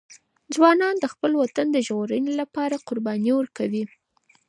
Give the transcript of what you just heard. ځوانان د خپل وطن د ژغورنې لپاره قرباني ورکوي.